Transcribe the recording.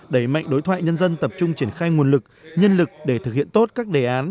đẩy mạnh đối thoại nhân dân tập trung triển khai nguồn lực nhân lực để thực hiện tốt các đề án